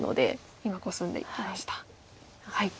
今コスんでいきました。